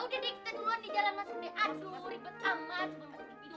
ya udah deh kita duluan di jalan langsung deh